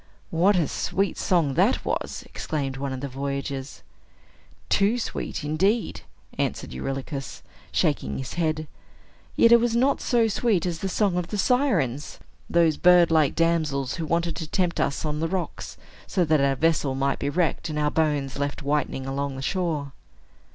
"What a sweet song that was!" exclaimed one of the voyagers. "Too sweet, indeed," answered Eurylochus, shaking his head. "Yet it was not so sweet as the song of the Sirens, those bird like damsels who wanted to tempt us on the rocks, so that our vessel might be wrecked, and our bones left whitening along the shore."